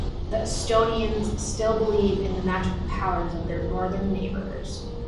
The Estonians still believe in the magical powers of their northern neighbors.